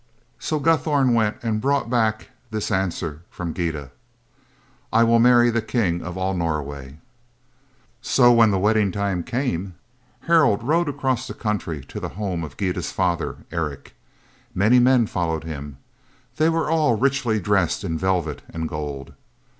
So Guthorm went and brought back this answer from Gyda: "I will marry the king of all Norway." So when the wedding time came, Harald rode across the country to the home of Gyda's father, Eric. Many men followed him. They were all richly dressed in velvet and gold.